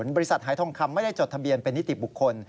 หายทองคำไม่ได้จดทะเบียนเป็นนิติบุคคล